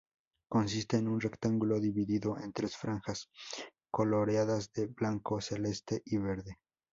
Consiste en un rectángulo dividido en tres franjas coloreadas de blanco, celeste y verde.